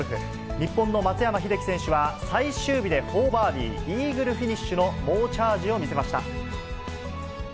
日本の松山英樹選手は、最終日で４バーディー、イーグルフィニッシュの猛チャージを見せました。